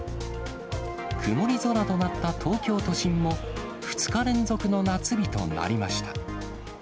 曇り空となった東京都心も、２日連続の夏日となりました。